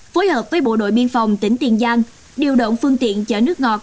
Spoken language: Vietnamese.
phối hợp với bộ đội biên phòng tỉnh tiền giang điều động phương tiện chở nước ngọt